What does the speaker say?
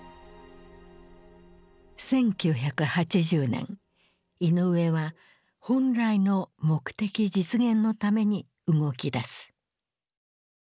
１９８０年イノウエは本来の目的実現のために動きだす。